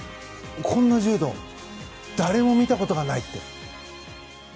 こんな柔道誰も見たことがないって。